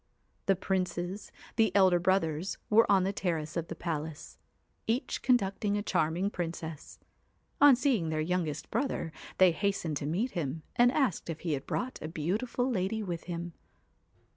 The princes, the elder brothers, were on the terrace of the palace, each conducting a charming princess. On seeing their youngest brother they hastened to meet him, and asked if he had brought a beautiful lady with him.